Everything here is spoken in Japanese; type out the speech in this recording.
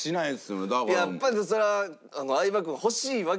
やっぱりそれは相葉君も欲しいわけよ。